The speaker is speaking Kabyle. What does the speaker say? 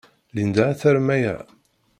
Linda ad tarem aya.